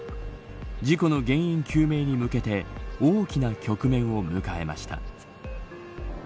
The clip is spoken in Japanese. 事故の原因究明に向けて大きな局面を迎えました。